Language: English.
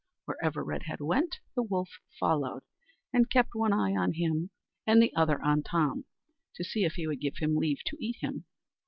Wherever Redhead went, the wolf followed, and kept one eye on him and the other on Tom, to see if he would give him leave to eat him.